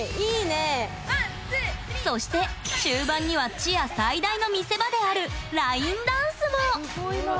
そして、終盤にはチア最大の見せ場であるラインダンスも。